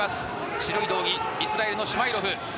白い道着イスラエルのシュマイロフ。